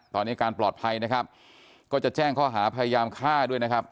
ตอนนี้อาการปลอดภัยนะครับก็จะแจ้งข้อหาพยายามฆ่าด้วยนะครับ